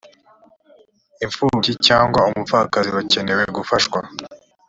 impfubyi cyangwa umupfakazi bakeneye hufashwa.